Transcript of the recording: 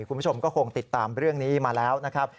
คุณผู้ชมก็คงติดตามเรื่องนี้มาแล้วนะครับ